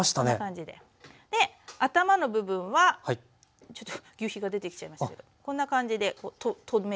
頭の部分はちょっとぎゅうひが出てきちゃいましたけどこんな感じで留める。